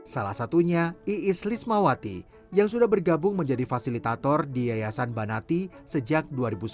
salah satunya iis lismawati yang sudah bergabung menjadi fasilitator di yayasan banati sejak dua ribu sepuluh